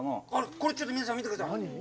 これ、ちょっと皆さん、見てください。